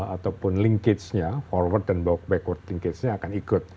ataupun linkage nya forward dan backward linkage nya akan ikut